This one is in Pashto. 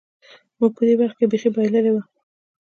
موږ په دې برخه کې بېخي بایللې وه.